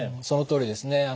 そのとおりですね。